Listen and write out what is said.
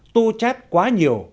tô chát quá nhiều